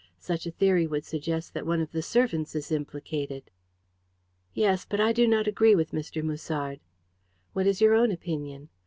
Such a theory would suggest that one of the servants is implicated." "Yes; but I do not agree with Mr. Musard." "What is your own opinion?"